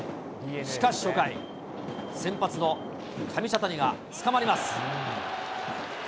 しかし初回、先発の上茶谷がつかまります。